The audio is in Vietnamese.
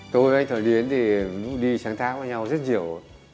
tôi với anh thuận yến thì đi sáng tháng với nhau rất nhiều